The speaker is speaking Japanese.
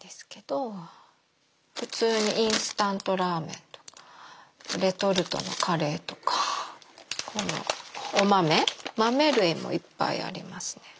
普通にインスタントラーメンとかレトルトのカレーとか。お豆豆類もいっぱいありますね。